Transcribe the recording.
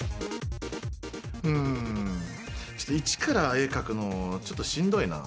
うんちょっと一から絵描くのちょっとしんどいな。